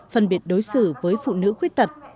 phân biệt đối xử với phụ nữ khuyết tật